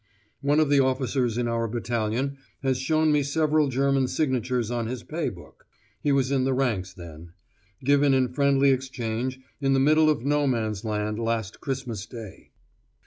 One of the officers in our battalion has shown me several German signatures on his pay book (he was in the ranks then), given in friendly exchange in the middle of No Man's Land last Christmas Day.